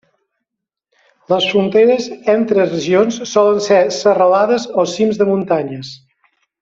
Les fronteres entre regions solen ser serralades o cims de muntanyes.